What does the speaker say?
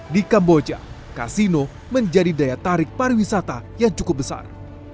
di kamboja kasino menjadi daya tarik pariwisata yang cukup besar